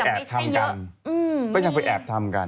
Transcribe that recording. แต่สุดท้ายก็ยังไปแอบทำกัน